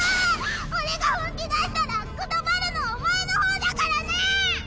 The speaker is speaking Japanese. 俺が本気出したらくたばるのはお前の方だからな！